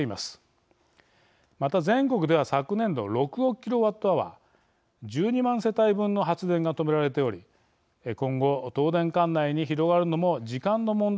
また全国では昨年度６億ｋＷｈ１２万世帯分の発電が止められており今後東電管内に広がるのも時間の問題と見られています。